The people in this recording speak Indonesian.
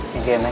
thank you mak